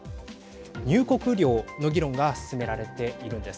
入国料の議論が進められているんです。